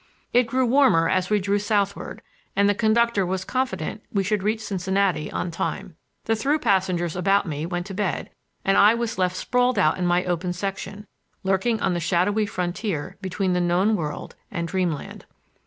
It grew warmer as we drew southward, and the conductor was confident we should reach Cincinnati on time. The through passengers about me went to bed, and I was left sprawled out in my open section, lurking on the shadowy frontier between the known world and dreamland.